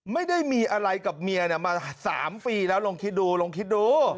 ไม่ได้มีอะไรกับเมียมา๓ปีแล้วลองคิดดูลองคิดดู